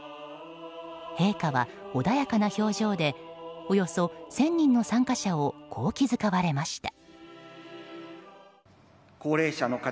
陛下は穏やかな表情でおよそ１０００人の参加者をこう気遣われました。